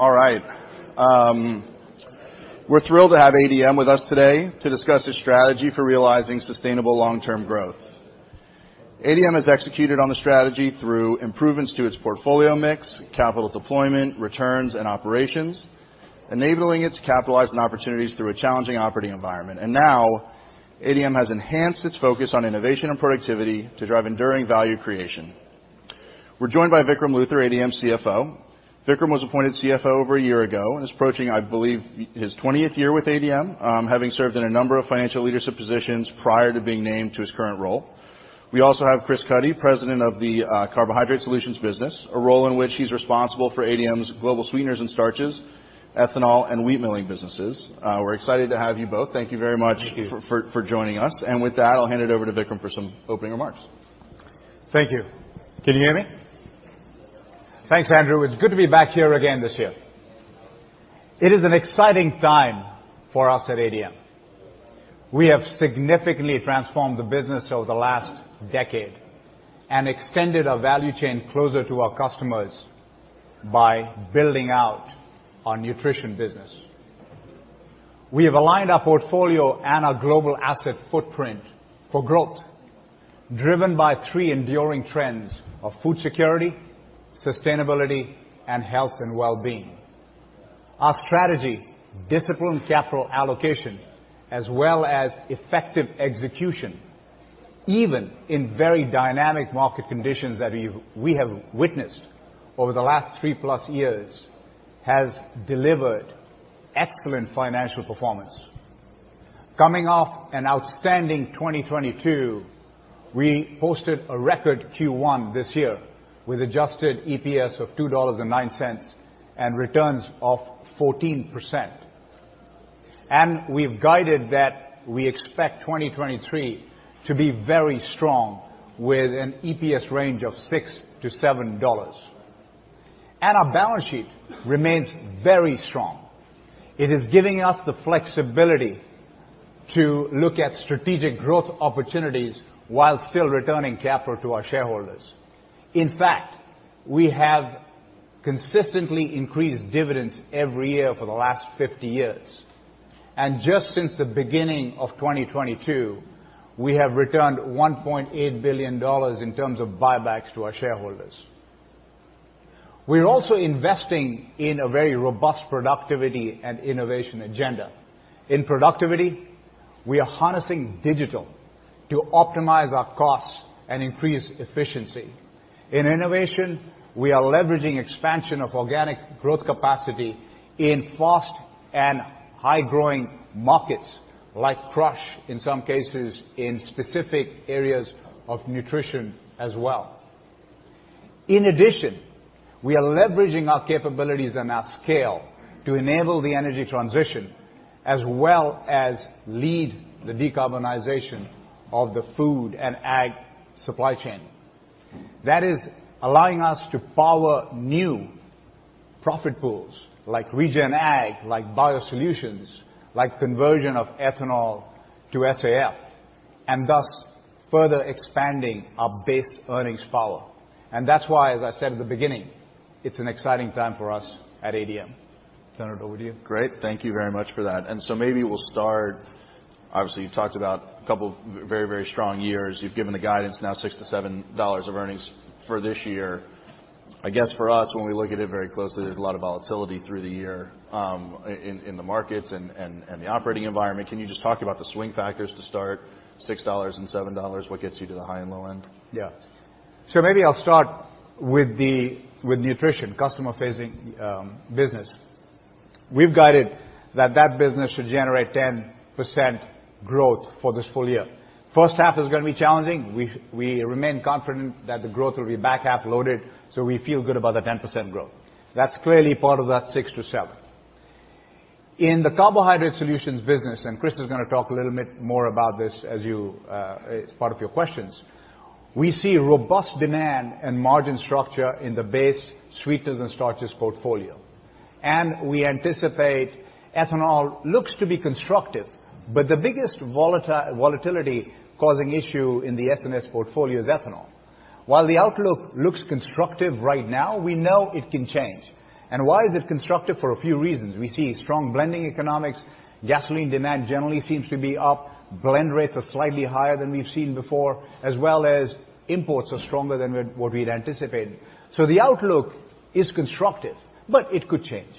All right. We're thrilled to have ADM with us today to discuss their strategy for realizing sustainable long-term growth. ADM has executed on the strategy through improvements to its portfolio mix, capital deployment, returns, and operations, enabling it to capitalize on opportunities through a challenging operating environment. Now, ADM has enhanced its focus on innovation and productivity to drive enduring value creation. We're joined by Vikram Luthar, ADM's CFO. Vikram was appointed CFO over a year ago and is approaching, I believe, his twentieth year with ADM, having served in a number of financial leadership positions prior to being named to his current role. We also have Chris Cuddy, president of the Carbohydrate Solutions business, a role in which he's responsible for ADM's global sweeteners and starches, ethanol, and wheat milling businesses. We're excited to have you both. Thank you very much. Thank you. for joining us. With that, I'll hand it over to Vikram for some opening remarks. Thank you. Can you hear me? Thanks, Andrew. It's good to be back here again this year. It is an exciting time for us at ADM. We have significantly transformed the business over the last decade and extended our value chain closer to our customers by building out our nutrition business. We have aligned our portfolio and our global asset footprint for growth, driven by three enduring trends of food security, sustainability, and health and well-being. Our strategy, disciplined capital allocation, as well as effective execution, even in very dynamic market conditions that we have witnessed over the last 3+ years, has delivered excellent financial performance. Coming off an outstanding 2022, we posted a record Q1 this year with adjusted EPS of $2.09 and returns of 14%. We've guided that we expect 2023 to be very strong with an EPS range of $6-$7. Our balance sheet remains very strong. It is giving us the flexibility to look at strategic growth opportunities while still returning capital to our shareholders. In fact, we have consistently increased dividends every year for the last 50 years. Just since the beginning of 2022, we have returned $1.8 billion in terms of buybacks to our shareholders. We're also investing in a very robust productivity and innovation agenda. In productivity, we are harnessing digital to optimize our costs and increase efficiency. In innovation, we are leveraging expansion of organic growth capacity in fast and high-growing markets like crush, in some cases in specific areas of nutrition as well. In addition, we are leveraging our capabilities and our scale to enable the energy transition, as well as lead the decarbonization of the food and ag supply chain. That is allowing us to power new profit pools like regen ag, like BioSolutions, like conversion of ethanol to SAF, thus further expanding our base earnings power. That's why, as I said at the beginning, it's an exciting time for us at ADM. Turn it over to you. Great. Thank you very much for that. Maybe we'll start... Obviously, you've talked about a couple of very, very strong years. You've given the guidance now $6-$7 of earnings for this year. I guess for us, when we look at it very closely, there's a lot of volatility through the year, in the markets and the operating environment. Can you just talk about the swing factors to start, $6 and $7? What gets you to the high and low end? Maybe I'll start with the, with nutrition, customer-facing business. We've guided that that business should generate 10% growth for this full year. First half is gonna be challenging. We remain confident that the growth will be back half loaded, so we feel good about the 10% growth. That's clearly part of that 6%-7%. In the Carbohydrate Solutions business. Chris is gonna talk a little bit more about this as you, as part of your questions, we see robust demand and margin structure in the base sweeteners and starches portfolio. We anticipate ethanol looks to be constructive, but the biggest volatility-causing issue in the S&S portfolio is ethanol. While the outlook looks constructive right now, we know it can change. Why is it constructive? For a few reasons. We see strong blending economics. Gasoline demand generally seems to be up. Blend rates are slightly higher than we've seen before, as well as imports are stronger than what we'd anticipated. The outlook is constructive, but it could change.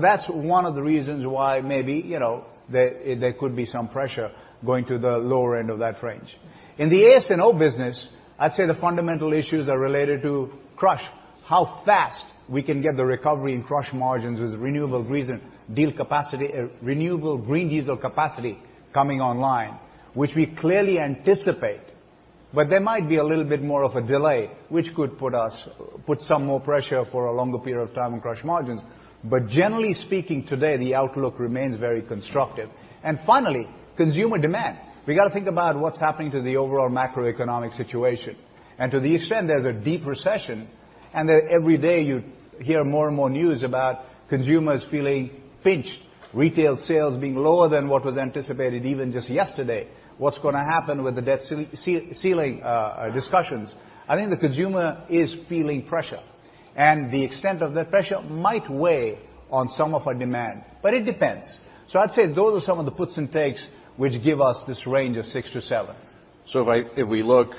That's one of the reasons why maybe, you know, there could be some pressure going to the lower end of that range. In the AS&O business, I'd say the fundamental issues are related to crush, how fast we can get the recovery in crush margins with renewable diesel capacity coming online, which we clearly anticipate. There might be a little bit more of a delay, which could put some more pressure for a longer period of time on crush margins. Generally speaking, today, the outlook remains very constructive. Finally, consumer demand. We gotta think about what's happening to the overall macroeconomic situation. To the extent there's a deep recession, and that every day you hear more and more news about consumers feeling pinched, retail sales being lower than what was anticipated even just yesterday, what's gonna happen with the debt ceiling discussions? I think the consumer is feeling pressure. The extent of that pressure might weigh on some of our demand, but it depends. I'd say those are some of the puts and takes which give us this range of six to seven. If we look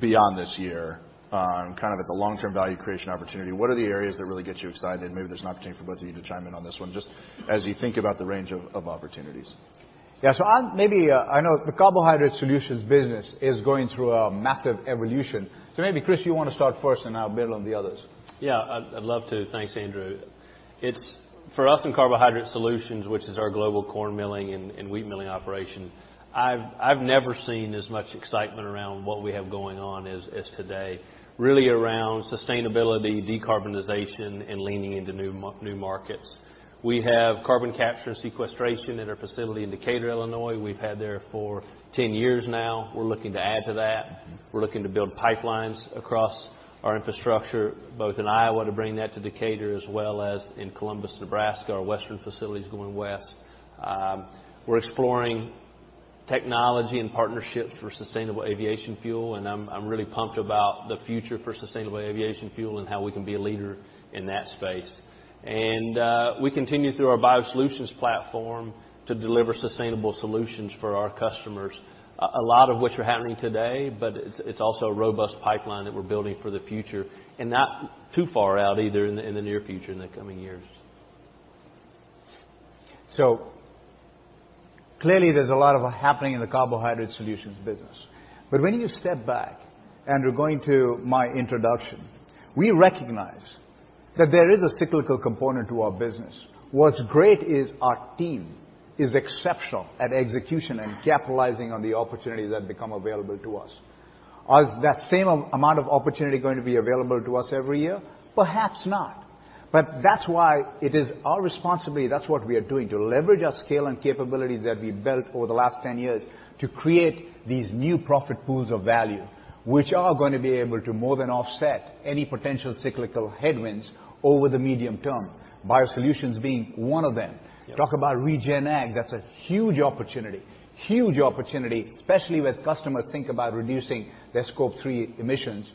beyond this year on kind of at the long-term value creation opportunity, what are the areas that really get you excited? Maybe there's an opportunity for both of you to chime in on this one, just as you think about the range of opportunities. I'm maybe, I know the Carbohydrate Solutions business is going through a massive evolution. Maybe, Chris, you wanna start first, and I'll build on the others. Yeah. I'd love to. Thanks, Andrew. It's, for us in Carbohydrate Solutions, which is our global corn milling and wheat milling operation, I've never seen as much excitement around what we have going on as today, really around sustainability, decarbonization, and leaning into new markets. We have carbon capture and sequestration at our facility in Decatur, Illinois. We've had there for 10 years now. We're looking to add to that. We're looking to build pipelines across our infrastructure, both in Iowa to bring that to Decatur, as well as in Columbus, Nebraska, our western facility's going west. We're exploring technology and partnerships for sustainable aviation fuel, and I'm really pumped about the future for sustainable aviation fuel and how we can be a leader in that space. We continue through our BioSolutions platform to deliver sustainable solutions for our customers, a lot of which are happening today, but it's also a robust pipeline that we're building for the future, and not too far out either in the near future, in the coming years. Clearly there's a lot happening in the Carbohydrate Solutions business. When you step back, Andrew, going to my introduction, we recognize that there is a cyclical component to our business. What's great is our team is exceptional at execution and capitalizing on the opportunities that become available to us. Is that same amount of opportunity going to be available to us every year? Perhaps not. That's why it is our responsibility, that's what we are doing, to leverage our scale and capabilities that we've built over the last 10 years to create these new profit pools of value, which are gonna be able to more than offset any potential cyclical headwinds over the medium term, BioSolutions being one of them. Yeah. Talk about regen ag, that's a huge opportunity, especially as customers think about reducing their Scope 3 emissions,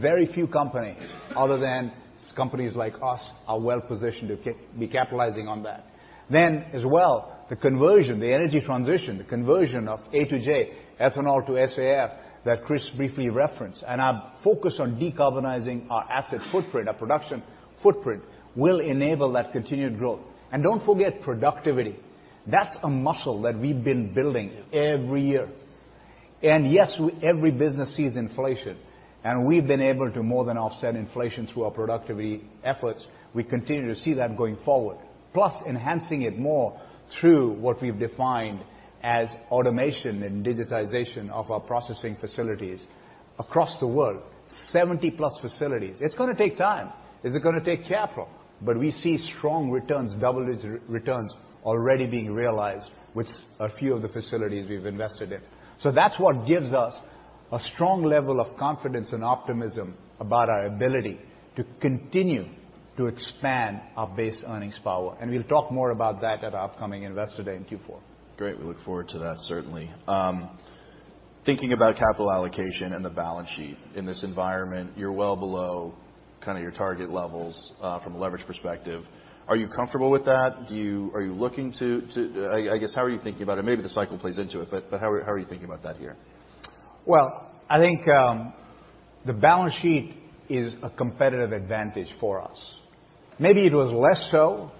very few companies other than companies like us are well positioned to be capitalizing on that. As well, the conversion, the energy transition, the conversion of ATJ, ethanol to SAF, that Chris briefly referenced, our focus on decarbonizing our asset footprint, our production footprint, will enable that continued growth. Don't forget productivity. That's a muscle that we've been building every year. Yes, every business sees inflation, we've been able to more than offset inflation through our productivity efforts. We continue to see that going forward. Plus enhancing it more through what we've defined as automation and digitization of our processing facilities across the world, 70+ facilities. It's gonna take time. Is it gonna take capital? We see strong returns, double-digit returns already being realized with a few of the facilities we've invested in. That's what gives us a strong level of confidence and optimism about our ability to continue to expand our base earnings power, and we'll talk more about that at our upcoming Investor Day in Q4. Great. We look forward to that certainly. Thinking about capital allocation and the balance sheet in this environment, you're well below kinda your target levels, from a leverage perspective. Are you comfortable with that? Are you looking to... I guess how are you thinking about it? Maybe the cycle plays into it, but how are you thinking about that here? Well, I think, the balance sheet is a competitive advantage for us. Maybe it was less so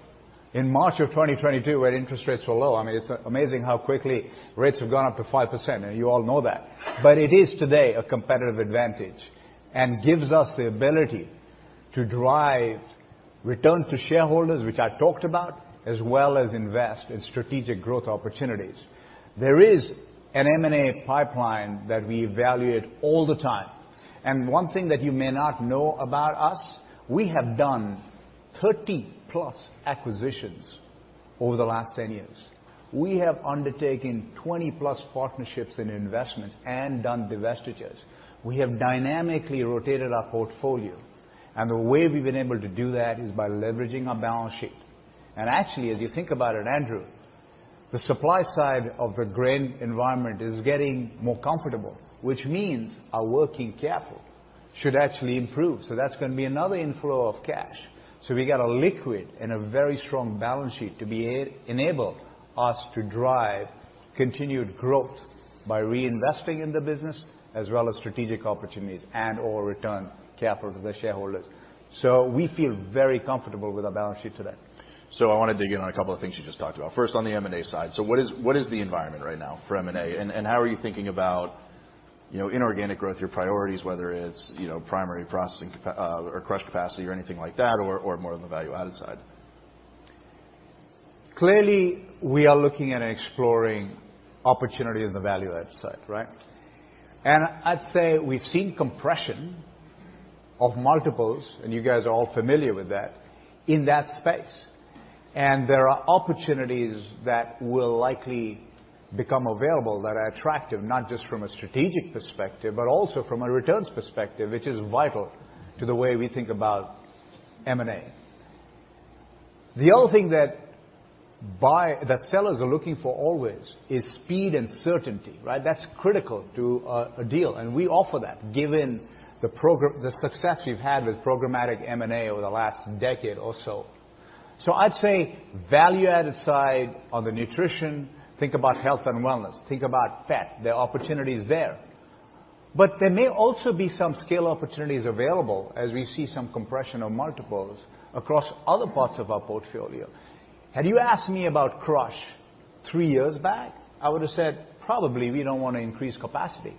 in March of 2022 when interest rates were low. I mean, it's amazing how quickly rates have gone up to 5%, and you all know that. It is today a competitive advantage and gives us the ability to drive return to shareholders, which I talked about, as well as invest in strategic growth opportunities. There is an M&A pipeline that we evaluate all the time, and one thing that you may not know about us, we have done 30+ acquisitions over the last 10 years. We have undertaken 20+ partnerships and investments and done divestitures. We have dynamically rotated our portfolio, and the way we've been able to do that is by leveraging our balance sheet. Actually, as you think about it, Andrew, the supply side of the grain environment is getting more comfortable, which means our working capital should actually improve. That's gonna be another inflow of cash. We got a liquid and a very strong balance sheet to enable us to drive continued growth by reinvesting in the business as well as strategic opportunities and/or return capital to the shareholders. We feel very comfortable with our balance sheet today. I wanna dig in on a couple of things you just talked about. First, on the M&A side. What is the environment right now for M&A? How are you thinking about, you know, inorganic growth, your priorities, whether it's, you know, primary processing or crush capacity or anything like that, or more on the value-added side? Clearly, we are looking at exploring opportunity on the value-added side, right? I'd say we've seen compression of multiples, and you guys are all familiar with that, in that space. There are opportunities that will likely become available that are attractive, not just from a strategic perspective, but also from a returns perspective, which is vital to the way we think about M&A. The other thing that sellers are looking for always is speed and certainty, right? That's critical to a deal, and we offer that given the success we've had with programmatic M&A over the last decade or so. I'd say value-added side on the nutrition, think about health and wellness. Think about pet. There are opportunities there. There may also be some scale opportunities available as we see some compression of multiples across other parts of our portfolio. Had you asked me about crush three years back, I would've said probably we don't wanna increase capacity.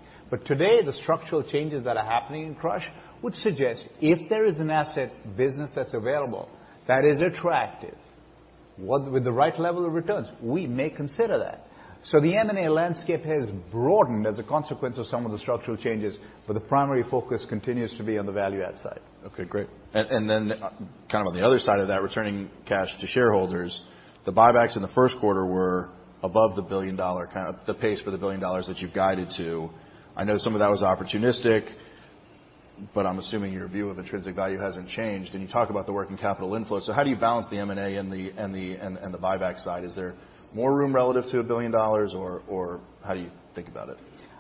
Today, the structural changes that are happening in crush would suggest if there is an asset business that's available that is attractive, with the right level of returns, we may consider that. The M&A landscape has broadened as a consequence of some of the structural changes, but the primary focus continues to be on the value add side. Okay, great. Then kind of on the other side of that, returning cash to shareholders, the buybacks in the first quarter were above the $1 billion pace for the $1 billion that you've guided to. I know some of that was opportunistic, I'm assuming your view of intrinsic value hasn't changed, and you talk about the working capital inflow. How do you balance the M&A and the buyback side? Is there more room relative to $1 billion, or how do you think about it?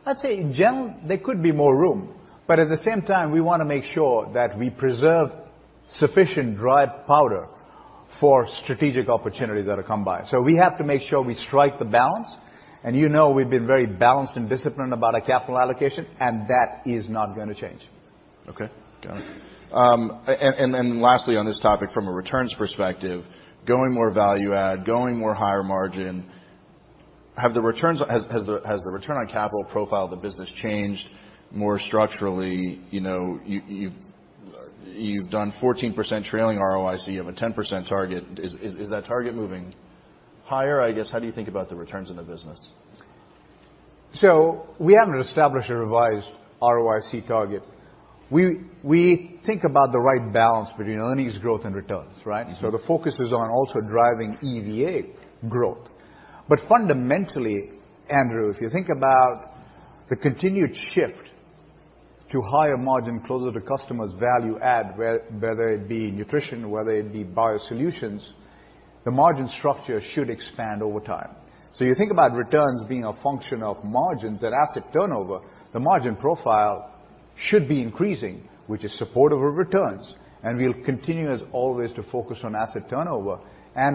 I'd say in general there could be more room. At the same time, we wanna make sure that we preserve sufficient dry powder for strategic opportunities that'll come by. We have to make sure we strike the balance, and you know we've been very balanced and disciplined about our capital allocation, and that is not gonna change. Okay. Got it. Lastly on this topic from a returns perspective, going more value add, going more higher margin, has the return on capital profile of the business changed more structurally? You know, you've done 14% trailing ROIC. You have a 10% target. Is that target moving higher? I guess, how do you think about the returns in the business? We haven't established a revised ROIC target. We think about the right balance between earnings growth and returns, right? Mm-hmm. The focus is on also driving EVA growth. Fundamentally, Andrew, if you think about the continued shift to higher margin closer to customers value add, whether it be nutrition, whether it be BioSolutions, the margin structure should expand over time. You think about returns being a function of margins and asset turnover, the margin profile should be increasing, which is supportive of returns. We'll continue as always to focus on asset turnover.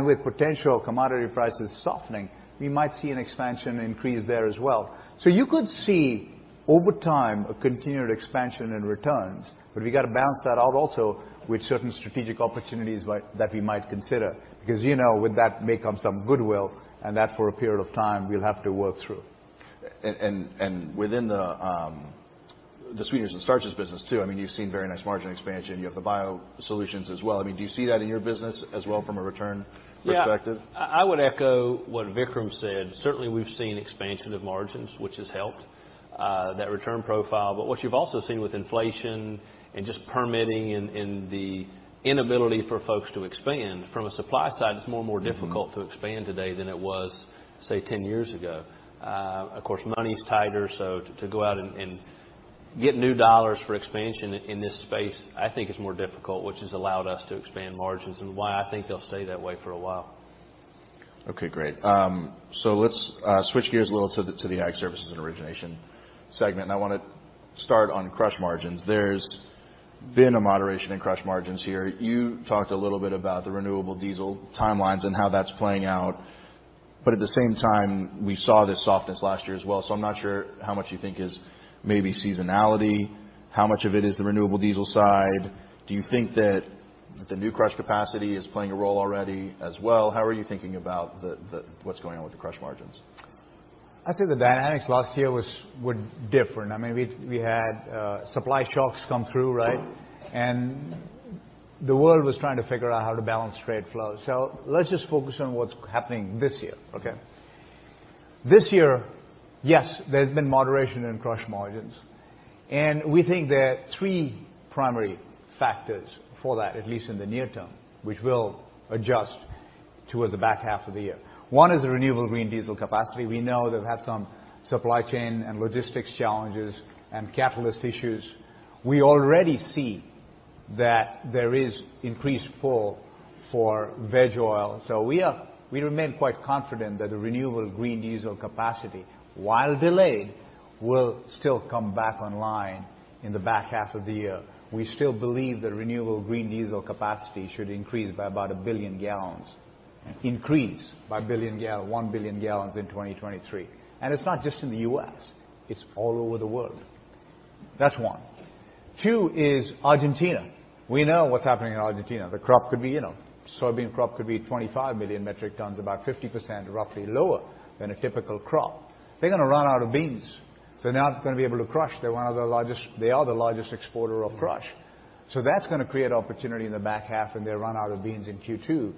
With potential commodity prices softening, we might see an expansion increase there as well. You could see over time a continued expansion in returns, but we gotta balance that out also with certain strategic opportunities that we might consider. You know, with that may come some goodwill and that, for a period of time, we'll have to work through. Within the sweeteners and starches business too, I mean, you've seen very nice margin expansion. You have the BioSolutions as well. I mean, do you see that in your business as well from a return perspective? Yeah. I would echo what Vikram said. Certainly, we've seen expansion of margins, which has helped that return profile. What you've also seen with inflation and just permitting and the inability for folks to expand, from a supply side, it's more and more difficult... Mm-hmm... to expand today than it was, say, 10 years ago. Of course, money's tighter, so to go out and get new dollars for expansion in this space I think is more difficult, which has allowed us to expand margins and why I think they'll stay that way for a while. Okay, great. let's switch gears a little to the Ag Services and origination segment. I wanna start on crush margins. There's been a moderation in crush margins here. You talked a little bit about the renewable diesel timelines and how that's playing out. At the same time, we saw this softness last year as well, so I'm not sure how much you think is maybe seasonality. How much of it is the renewable diesel side? Do you think that the new crush capacity is playing a role already as well? How are you thinking about what's going on with the crush margins? I think the dynamics last year were different. I mean, we had supply shocks come through, right? The world was trying to figure out how to balance trade flow. Let's just focus on what's happening this year, okay? This year, yes, there's been moderation in crush margins. We think there are three primary factors for that, at least in the near term, which will adjust towards the back half of the year. One is the renewable green diesel capacity. We know they've had some supply chain and logistics challenges and catalyst issues. We already see that there is increased pull for veg oil. We remain quite confident that the renewable green diesel capacity, while delayed, will still come back online in the back half of the year. We still believe that renewable diesel capacity should increase by about 1 billion gal. Increase by 1 billion gal in 2023. It's not just in the U.S. It's all over the world. That's one. Two is Argentina. We know what's happening in Argentina. The crop could be, you know, soybean crop could be 25 million metric tons, about 50% roughly lower than a typical crop. They're gonna run out of beans, they're not gonna be able to crush. They are the largest exporter of crush. That's gonna create opportunity in the back half when they run out of beans in Q2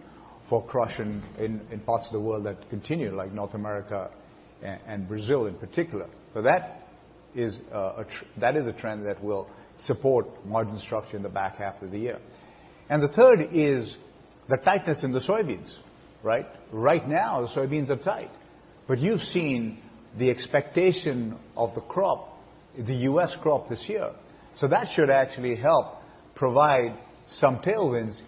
for crush in parts of the world that continue, like North America and Brazil in particular. That is a trend that will support margin structure in the back half of the year. The third is the tightness in the soybeans, right? Right now, the soybeans are tight. You've seen the expectation of the crop, the U.S. crop this year. That should actually help provide some tailwinds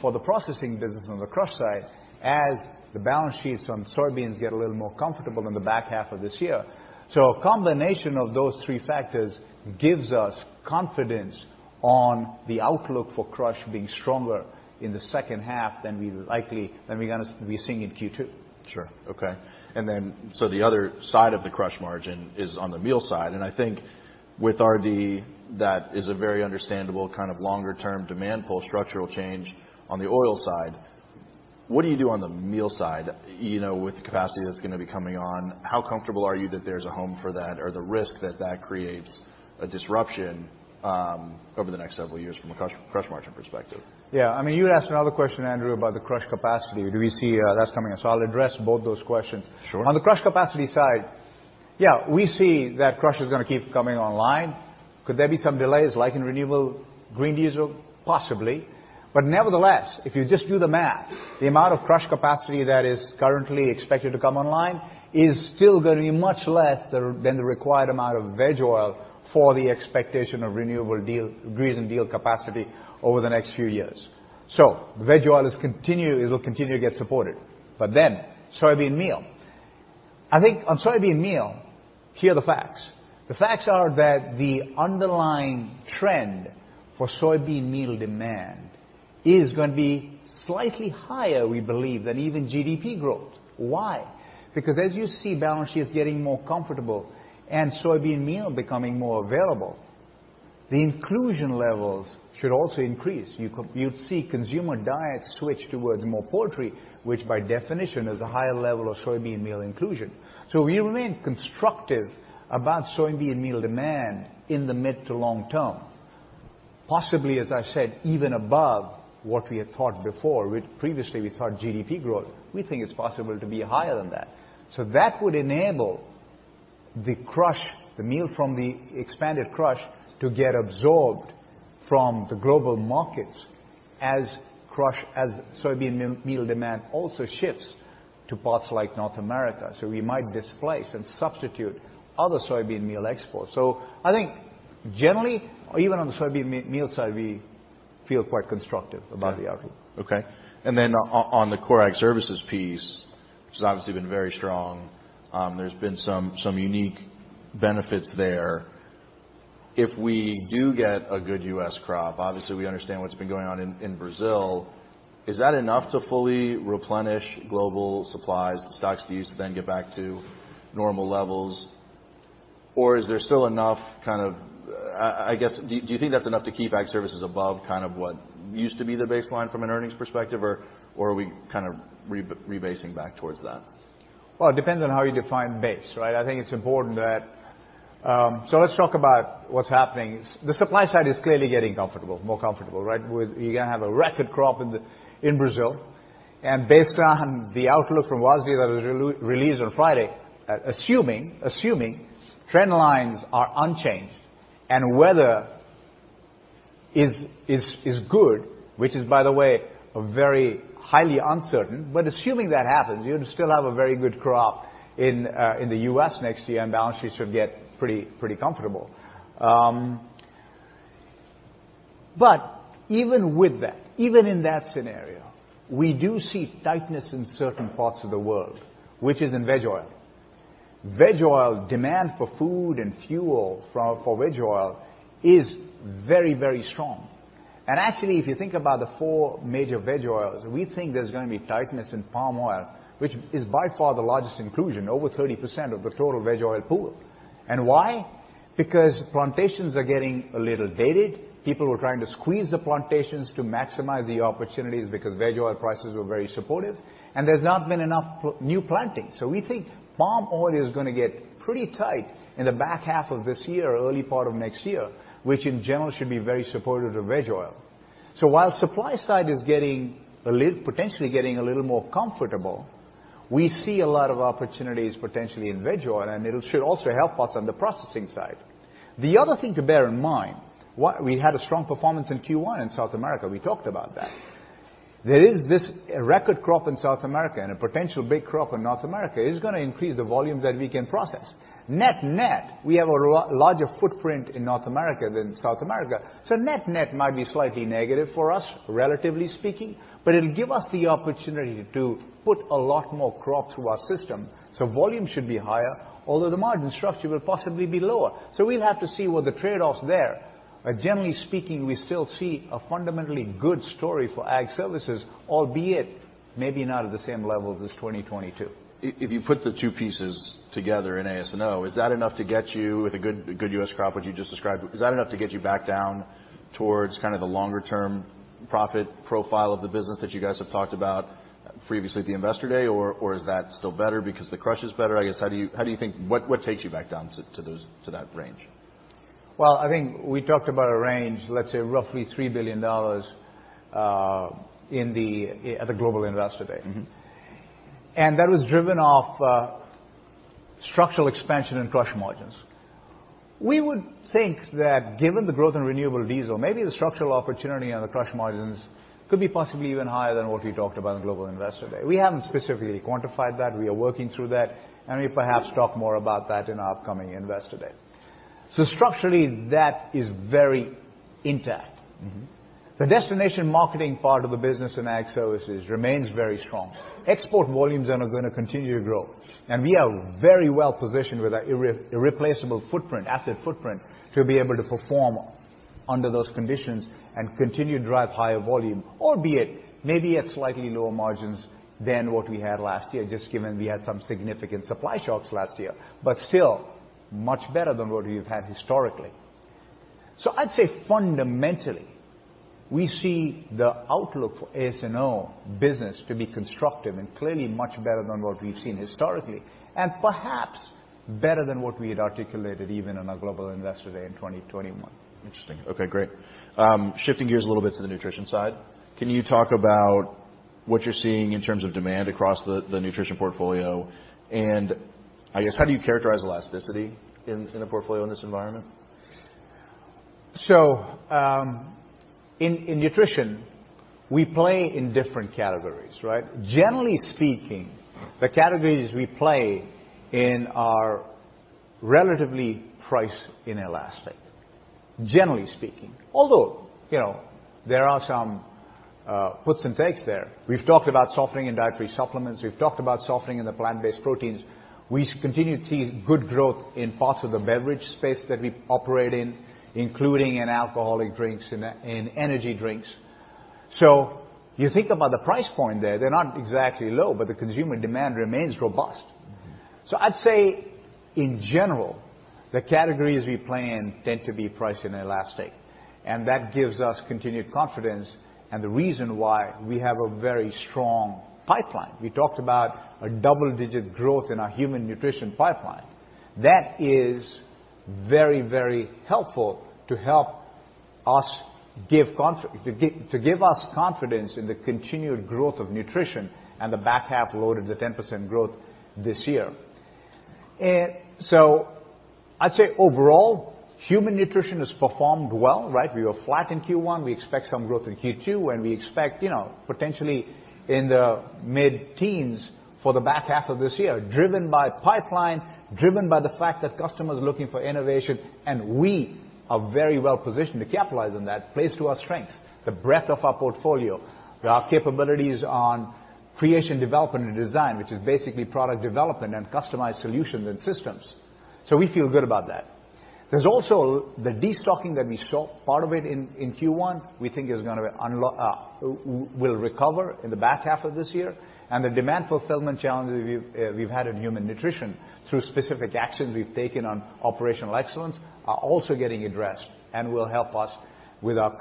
for the processing business on the crush side, as the balance sheets on soybeans get a little more comfortable in the back half of this year. A combination of those three factors gives us confidence on the outlook for crush being stronger in the second half than we're gonna be seeing in Q2. Sure. Okay. The other side of the crush margin is on the meal side, and I think with RD, that is a very understandable kind of longer term demand pull structural change on the oil side. What do you do on the meal side, you know, with the capacity that's gonna be coming on? How comfortable are you that there's a home for that or the risk that that creates a disruption over the next several years from a crush margin perspective? Yeah. I mean, you asked another question, Andrew, about the crush capacity. Do we see that's coming? I'll address both those questions. Sure. On the crush capacity side, yeah, we see that crush is gonna keep coming online. Could there be some delays like in renewable diesel? Possibly. Nevertheless, if you just do the math, the amount of crush capacity that is currently expected to come online is still gonna be much less than the required amount of veg oil for the expectation of renewable diesel capacity over the next few years. The veg oil will continue to get supported. Soybean meal. I think on soybean meal, here are the facts. The facts are that the underlying trend for soybean meal demand is gonna be slightly higher, we believe, than even GDP growth. Why? Because as you see balance sheets getting more comfortable and soybean meal becoming more available, the inclusion levels should also increase. You'd see consumer diets switch towards more poultry, which by definition is a higher level of soybean meal inclusion. We remain constructive about soybean meal demand in the mid to long term, possibly, as I said, even above what we had thought before. With previously we thought GDP growth, we think it's possible to be higher than that. That would enable the crush, the meal from the expanded crush to get absorbed from the global markets as soybean meal demand also shifts to parts like North America. We might displace and substitute other soybean meal exports. I think generally or even on the soybean meal side, we feel quite constructive about the outlook. Okay. Then on the core Ag Services piece, which has obviously been very strong, there's been some unique benefits there. If we do get a good U.S. crop, obviously we understand what's been going on in Brazil. Is that enough to fully replenish global supplies, the stocks to use to then get back to normal levels? Is there still enough kind of... I guess, do you think that's enough to keep Ag Services above kind of what used to be the baseline from an earnings perspective, or are we kind of rebasing back towards that? Well, it depends on how you define base, right? I think it's important that. Let's talk about what's happening. The supply side is clearly getting comfortable, more comfortable, right? You're gonna have a record crop in Brazil, and based on the outlook from WASDE that was released on Friday, assuming trend lines are unchanged and weather is good, which is by the way very highly uncertain. Assuming that happens, you'd still have a very good crop in the US next year, and balance sheets should get pretty comfortable. Even with that, even in that scenario, we do see tightness in certain parts of the world, which is in veg oil. Veg oil demand for food and fuel for veg oil is very, very strong. Actually, if you think about the four major veg oils, we think there's gonna be tightness in palm oil, which is by far the largest inclusion, over 30% of the total veg oil pool. Why? Because plantations are getting a little dated. People were trying to squeeze the plantations to maximize the opportunities because veg oil prices were very supportive, and there's not been enough new planting. We think palm oil is gonna get pretty tight in the back half of this year, early part of next year, which in general should be very supportive of veg oil. While supply side is potentially getting a little more comfortable, we see a lot of opportunities potentially in veg oil, and it should also help us on the processing side. The other thing to bear in mind, we had a strong performance in Q1 in South America. We talked about that. There is this record crop in South America and a potential big crop in North America is gonna increase the volume that we can process. Net, net, we have a larger footprint in North America than South America. Net, net might be slightly negative for us, relatively speaking, but it'll give us the opportunity to put a lot more crop through our system. Volume should be higher, although the margin structure will possibly be lower. We'll have to see what the trade-off's there. Generally speaking, we still see a fundamentally good story for Ag Services, albeit maybe not at the same level as this 2022. If you put the two pieces together in AS&O, is that enough to get you with a good U.S. crop, what you just described, is that enough to get you back down towards kind of the longer term profit profile of the business that you guys have talked about previously at the Investor Day, or is that still better because the crush is better? I guess, how do you think? What takes you back down to those, to that range? Well, I think we talked about a range, let's say roughly $3 billion, at the Global Investor Day. Mm-hmm. That was driven off, Structural expansion in crush margins. We would think that given the growth in renewable diesel, maybe the structural opportunity on the crush margins could be possibly even higher than what we talked about in Global Investor Day. We haven't specifically quantified that. We are working through that. We perhaps talk more about that in our upcoming Investor Day. Structurally, that is very intact. Mm-hmm. The destination marketing part of the business in Ag Services remains very strong. Export volumes then are gonna continue to grow. We are very well positioned with our irreplaceable footprint, asset footprint, to be able to perform under those conditions and continue to drive higher volume, albeit maybe at slightly lower margins than what we had last year. Just given we had some significant supply shocks last year. Still much better than what we've had historically. I'd say fundamentally, we see the outlook for S&O business to be constructive and clearly much better than what we've seen historically, and perhaps better than what we had articulated even in our Global Investor Day in 2021. Interesting. Okay, great. Shifting gears a little bit to the nutrition side. Can you talk about what you're seeing in terms of demand across the nutrition portfolio? I guess, how do you characterize elasticity in the portfolio in this environment? In nutrition, we play in different categories, right? Generally speaking. Mm. The categories we play in are relatively price inelastic. Generally speaking. You know, there are some puts and takes there. We've talked about softening in dietary supplements. We've talked about softening in the plant-based proteins. We continue to see good growth in parts of the beverage space that we operate in, including in alcoholic drinks, in energy drinks. You think about the price point there, they're not exactly low, but the consumer demand remains robust. Mm-hmm. I'd say in general, the categories we play in tend to be priced inelastic, and that gives us continued confidence and the reason why we have a very strong pipeline. We talked about a double-digit growth in our human nutrition pipeline. That is very helpful to help us give us confidence in the continued growth of nutrition and the back half load of the 10% growth this year. I'd say overall, human nutrition has performed well, right. We were flat in Q1. We expect some growth in Q2, and we expect, you know, potentially in the mid-teens for the back half of this year, driven by pipeline, driven by the fact that customers are looking for innovation, and we are very well positioned to capitalize on that. Plays to our strengths, the breadth of our portfolio, our capabilities on creation, development, and design, which is basically product development and customized solutions and systems. We feel good about that. There's also the destocking that we saw part of it in Q1, we think is gonna unlock... will recover in the back half of this year. The demand fulfillment challenges we've had in human nutrition through specific actions we've taken on operational excellence are also getting addressed and will help us with our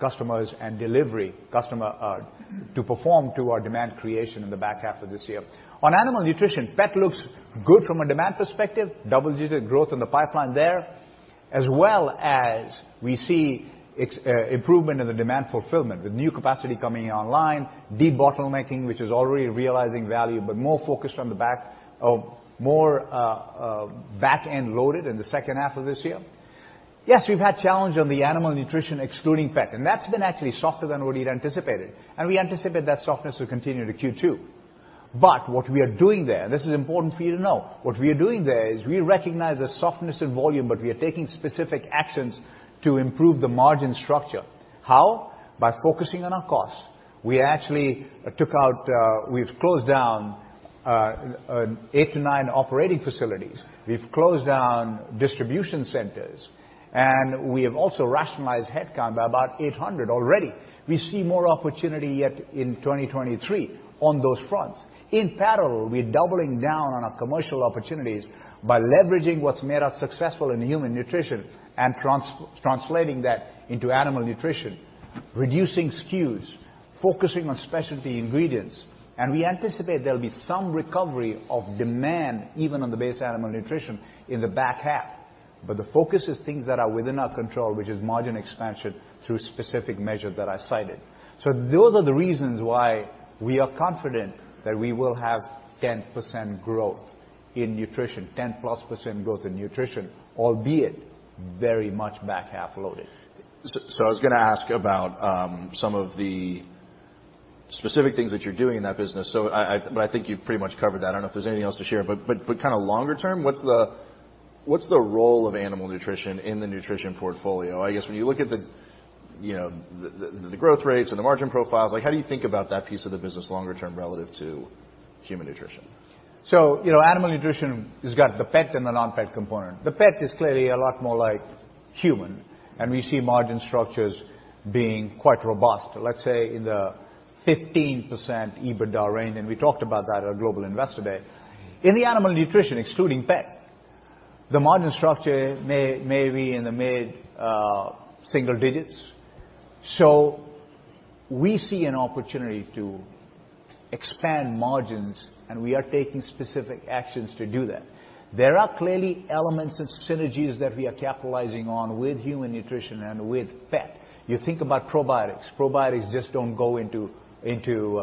customers and delivery customer to perform to our demand creation in the back half of this year. On animal nutrition, pet looks good from a demand perspective. Double-digit growth in the pipeline there, as well as we see. Improvement in the demand fulfillment with new capacity coming online, debottlenecking, which is already realizing value, but more back-end loaded in the second half of this year. We've had challenge on the animal nutrition excluding pet, and that's been actually softer than what we'd anticipated. We anticipate that softness will continue to Q2. What we are doing there, this is important for you to know, what we are doing there is we recognize the softness in volume, but we are taking specific actions to improve the margin structure. How? By focusing on our costs. We've closed down 8-9 operating facilities. We've closed down distribution centers, and we have also rationalized headcount by about 800 already. We see more opportunity yet in 2023 on those fronts. In parallel, we're doubling down on our commercial opportunities by leveraging what's made us successful in human nutrition and translating that into animal nutrition, reducing SKUs, focusing on specialty ingredients. We anticipate there'll be some recovery of demand, even on the base animal nutrition in the back half. The focus is things that are within our control, which is margin expansion through specific measures that I cited. Those are the reasons why we are confident that we will have 10% growth in nutrition, 10+% growth in nutrition, albeit very much back half loaded. I was gonna ask about some of the specific things that you're doing in that business. I think you've pretty much covered that. I don't know if there's anything else to share. Kinda longer term, what's the role of animal nutrition in the nutrition portfolio? I guess when you look at the, you know, the growth rates and the margin profiles, like how do you think about that piece of the business longer term relative to human nutrition? You know, animal nutrition has got the pet and the non-pet component. The pet is clearly a lot more like human, and we see margin structures being quite robust, let's say in the 15% EBITDA range, and we talked about that at Global Investor Day. In the animal nutrition, excluding pet, the margin structure may be in the mid-single digits. We see an opportunity to expand margins, and we are taking specific actions to do that. There are clearly elements and synergies that we are capitalizing on with human nutrition and with pet. You think about probiotics. Probiotics just don't go into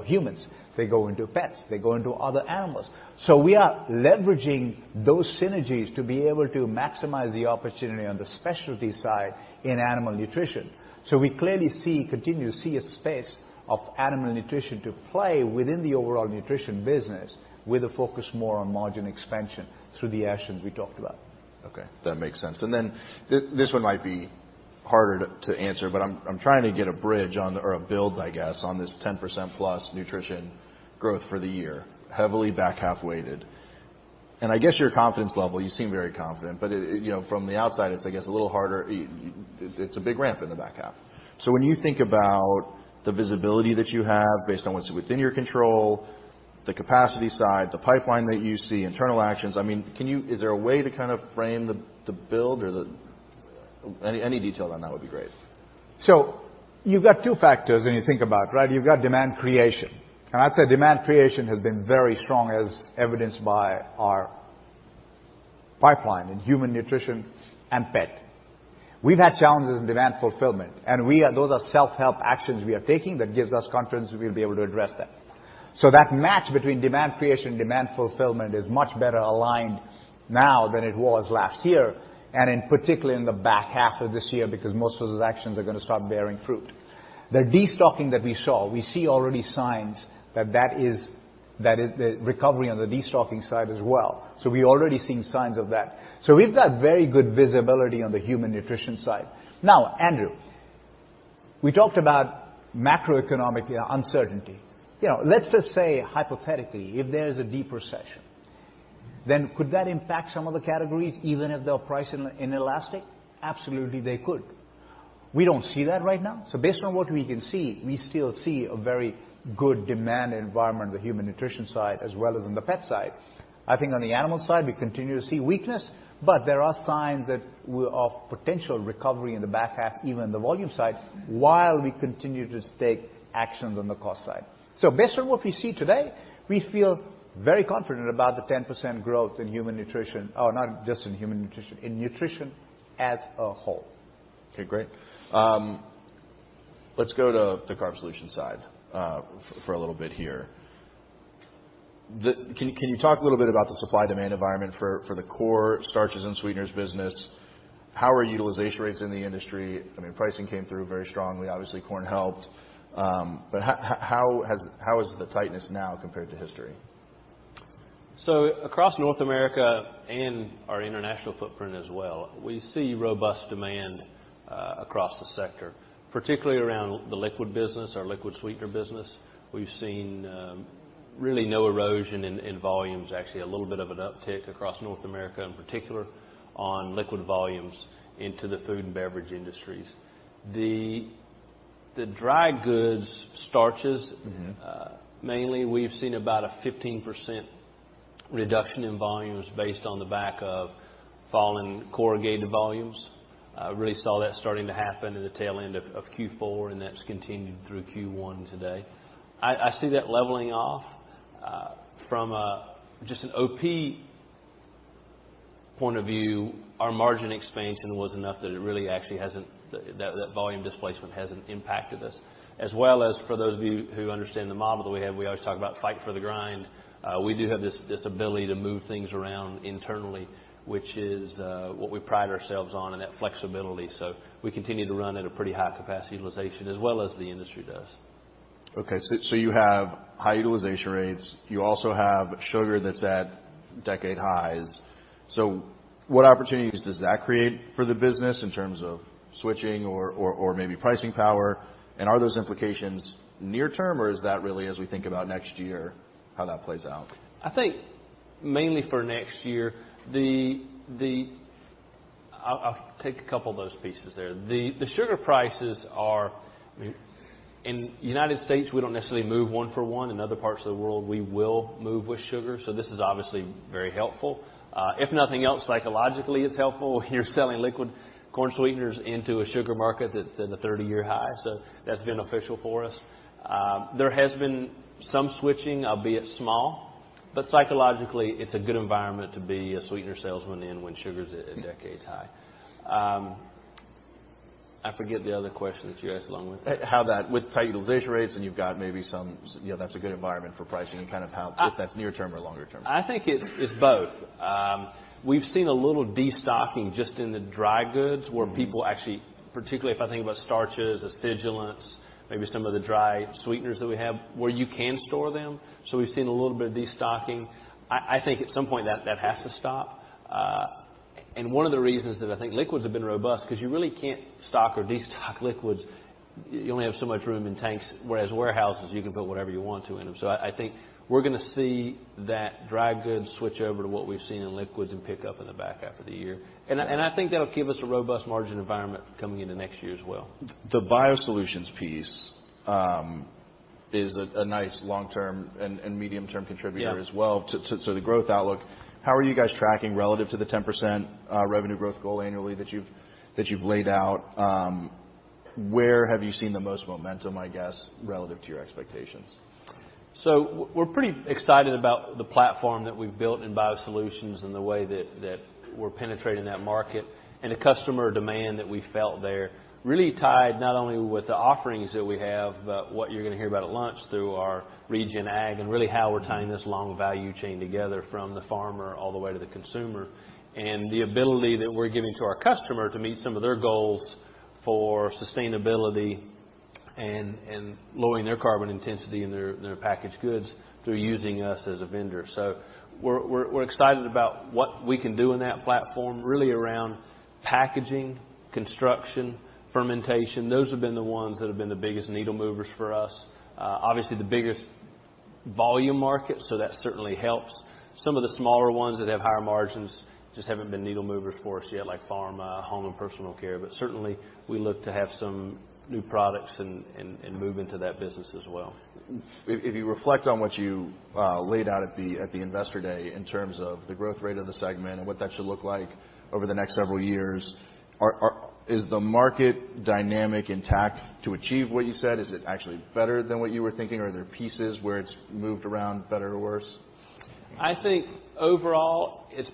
humans. They go into pets, they go into other animals. We are leveraging those synergies to be able to maximize the opportunity on the specialty side in animal nutrition. We clearly see, continue to see a space of animal nutrition to play within the overall nutrition business, with a focus more on margin expansion through the actions we talked about. Okay, that makes sense. Then this one might be harder to answer, but I'm trying to get a bridge on, or a build, I guess, on this 10%+ nutrition growth for the year, heavily back half weighted. I guess your confidence level, you seem very confident, but, you know, from the outside, it's, I guess, a little harder. It's a big ramp in the back half. When you think about the visibility that you have based on what's within your control, the capacity side, the pipeline that you see, internal actions, I mean, is there a way to kind of frame the build or the. Any detail on that would be great. You've got two factors when you think about it, right? You've got demand creation. I'd say demand creation has been very strong, as evidenced by our pipeline in human nutrition and pet. We've had challenges in demand fulfillment, and those are self-help actions we are taking that gives us confidence we'll be able to address that. That match between demand creation and demand fulfillment is much better aligned now than it was last year, and in particular in the back half of this year, because most of those actions are gonna start bearing fruit. The destocking that we saw, we see already signs that that is the recovery on the destocking side as well. We're already seeing signs of that. We've got very good visibility on the human nutrition side. Now, Andrew, we talked about macroeconomic uncertainty. You know, let's just say hypothetically, if there's a deep recession, then could that impact some of the categories, even if they're price in-inelastic? Absolutely, they could. We don't see that right now. Based on what we can see, we still see a very good demand environment on the human nutrition side as well as on the pet side. I think on the animal side, we continue to see weakness, but there are signs that we-- of potential recovery in the back half, even the volume side, while we continue to take actions on the cost side. Based on what we see today, we feel very confident about the 10% growth in human nutrition. Not just in human nutrition, in nutrition as a whole. Okay, great. Let's go to the Carbohydrate Solutions side for a little bit here. Can you talk a little bit about the supply demand environment for the core Starches & Sweeteners business? How are utilization rates in the industry? I mean, pricing came through very strongly. Obviously, corn helped. But how is the tightness now compared to history? Across North America and our international footprint as well, we see robust demand across the sector, particularly around the liquid business, our liquid sweetener business. We've seen really no erosion in volumes. Actually, a little bit of an uptick across North America, in particular on liquid volumes into the food and beverage industries. The dry goods starches. Mm-hmm. mainly we've seen about a 15% reduction in volumes based on the back of falling corrugated volumes. Really saw that starting to happen in the tail end of Q4, and that's continued through Q1 today. I see that leveling off, from just an OP point of view, our margin expansion was enough that it really actually hasn't. That volume displacement hasn't impacted us. As well as for those of you who understand the model that we have, we always talk about fight for the grind. We do have this ability to move things around internally, which is what we pride ourselves on and that flexibility. We continue to run at a pretty high capacity utilization as well as the industry does. Okay. You have high utilization rates. You also have sugar that's at decade highs. What opportunities does that create for the business in terms of switching or, or maybe pricing power? Are those implications near term, or is that really as we think about next year, how that plays out? I think mainly for next year. I'll take a couple of those pieces there. The sugar prices are. In United States, we don't necessarily move one for one. In other parts of the world, we will move with sugar. This is obviously very helpful. If nothing else, psychologically, it's helpful when you're selling liquid corn sweeteners into a sugar market that's at a 30-year high. That's beneficial for us. There has been some switching, albeit small, but psychologically, it's a good environment to be a sweetener salesman in when sugar's at a decades high. I forget the other question that you asked along with that. With tight utilization rates and you've got maybe some, you know, that's a good environment for pricing and kind of how if that's near term or longer term. I think it's both. We've seen a little destocking just in the dry goods where people actually, particularly if I think about starches, acidulants, maybe some of the dry sweeteners that we have where you can store them. We've seen a little bit of destocking. I think at some point that has to stop. One of the reasons that I think liquids have been robust, because you really can't stock or destock liquids. You only have so much room in tanks, whereas warehouses, you can put whatever you want to in them. I think we're gonna see that dry goods switch over to what we've seen in liquids and pick up in the back half of the year. I think that'll give us a robust margin environment coming into next year as well. The BioSolutions piece is a nice long-term and medium-term contributor as well. Yeah. To the growth outlook. How are you guys tracking relative to the 10% revenue growth goal annually that you've laid out? Where have you seen the most momentum, I guess, relative to your expectations? We're pretty excited about the platform that we've built in BioSolutions and the way that we're penetrating that market. The customer demand that we felt there really tied not only with the offerings that we have, but what you're gonna hear about at lunch through our regen ag, and really how we're tying this long value chain together from the farmer all the way to the consumer. The ability that we're giving to our customer to meet some of their goals for sustainability and lowering their carbon intensity in their packaged goods through using us as a vendor. We're excited about what we can do in that platform, really around packaging, construction, fermentation. Those have been the ones that have been the biggest needle movers for us. Obviously, the biggest volume market, so that certainly helps. Some of the smaller ones that have higher margins just haven't been needle movers for us yet, like pharma, home and personal care. Certainly we look to have some new products and move into that business as well. If you reflect on what you laid out at the Investor Day in terms of the growth rate of the segment and what that should look like over the next several years, is the market dynamic intact to achieve what you said? Is it actually better than what you were thinking, or are there pieces where it's moved around better or worse? I think overall, it's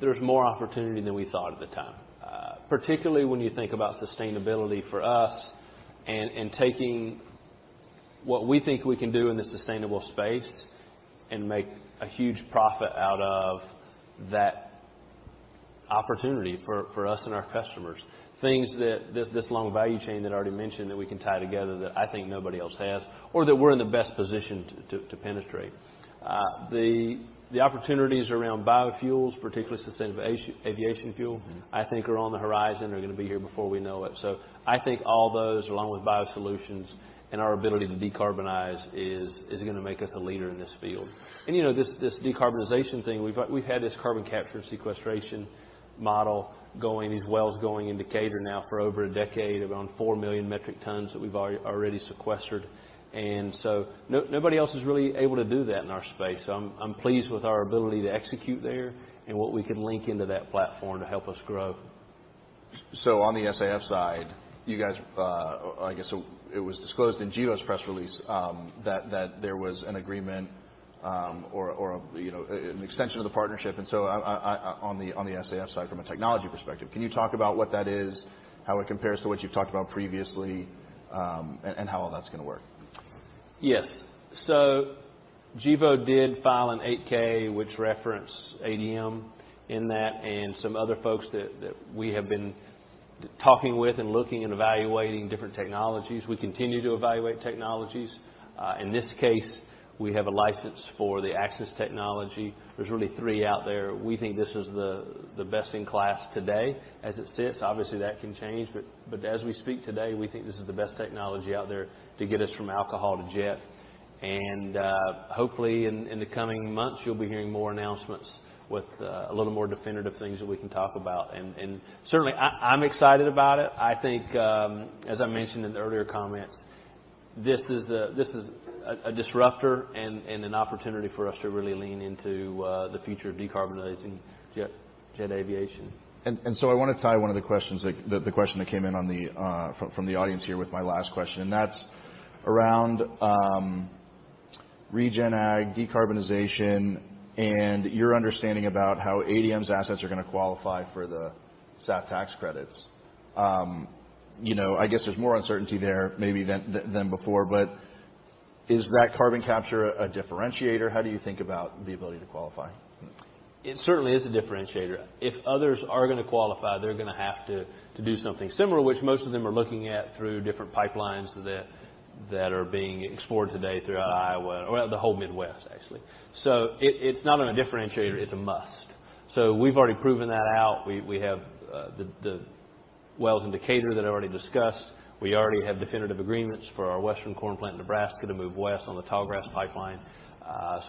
there's more opportunity than we thought at the time. Particularly when you think about sustainability for us and taking what we think we can do in the sustainable space and make a huge profit out of that opportunity for us and our customers. Things that this long value chain that I already mentioned that we can tie together that I think nobody else has or that we're in the best position to penetrate. The opportunities around biofuels, particularly sustainable aviation fuel. Mm-hmm... I think are on the horizon. They're gonna be here before we know it. I think all those, along with BioSolutions and our ability to decarbonize, is gonna make us a leader in this field. You know, this decarbonization thing, we've had this carbon capture and sequestration model going, these wells going in Decatur now for over a decade. Around 4 million metric tons that we've already sequestered. Nobody else is really able to do that in our space. I'm pleased with our ability to execute there and what we can link into that platform to help us grow. On the SAF side, you guys, I guess it was disclosed in Gevo's press release, that there was an agreement, or, you know, an extension of the partnership. On the SAF side from a technology perspective, can you talk about what that is, how it compares to what you've talked about previously, and how all that's gonna work? Yes. Gevo did file an 8-K which referenced ADM in that and some other folks that we have been talking with and looking and evaluating different technologies. We continue to evaluate technologies. In this case, we have a license for the access technology. There's really three out there. We think this is the best in class today as it sits. Obviously, that can change, but as we speak today, we think this is the best technology out there to get us from alcohol to jet. Hopefully in the coming months, you'll be hearing more announcements with a little more definitive things that we can talk about. Certainly I'm excited about it. I think, as I mentioned in the earlier comments, this is a disruptor and an opportunity for us to really lean into the future of decarbonizing jet aviation. I wanna tie one of the questions the question that came in on the from the audience here with my last question, that's around regen ag decarbonization and your understanding about how ADM's assets are gonna qualify for the SAF tax credits. You know, I guess there's more uncertainty there maybe than before, is that carbon capture a differentiator? How do you think about the ability to qualify? It certainly is a differentiator. If others are gonna qualify, they're gonna have to do something similar, which most of them are looking at through different pipelines that are being explored today throughout Iowa, well, the whole Midwest, actually. It's not on a differentiator, it's a must. We've already proven that out. We have the wells in Decatur that I already discussed. We already have definitive agreements for our western corn plant in Nebraska to move west on the Tallgrass pipeline.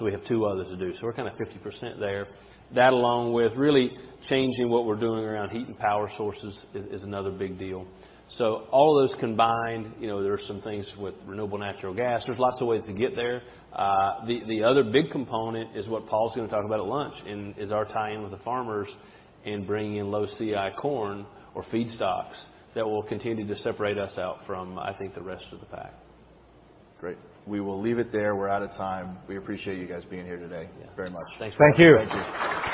We have two others to do. We're kinda 50% there. That, along with really changing what we're doing around heat and power sources is another big deal. All those combined, you know, there are some things with renewable natural gas. There's lots of ways to get there. The other big component is what Paul's gonna talk about at lunch and is our tie-in with the farmers in bringing in low CI corn or feedstocks that will continue to separate us out from, I think, the rest of the pack. Great. We will leave it there. We're out of time. We appreciate you guys being here today very much. Thanks. Thank you. Thank you. Thanks.